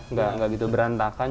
nggak gitu berantakan